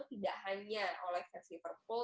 tidak hanya oleh versi liverpool